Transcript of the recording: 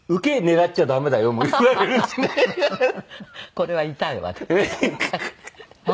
これは痛いわね。